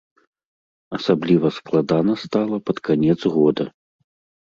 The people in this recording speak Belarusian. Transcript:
Асабліва складана стала пад канец года.